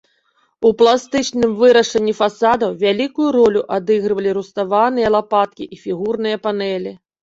У пластычным вырашэнні фасадаў вялікую ролю адыгрывалі руставаныя лапаткі і фігурныя панэлі.